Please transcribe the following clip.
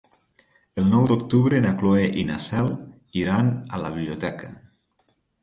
El nou d'octubre na Cloè i na Cel iran a la biblioteca.